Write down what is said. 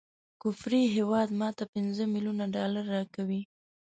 کفري هیواد ماته پنځه ملیونه ډالره راکول.